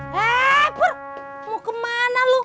heee pur mau kemana lu